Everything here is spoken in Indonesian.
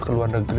ke luar negeri